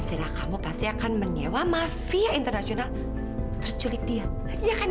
sampai jumpa di video selanjutnya